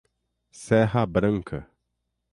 Serra Branca